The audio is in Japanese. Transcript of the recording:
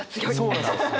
そうなんですよ。